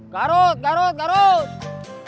garut garut garut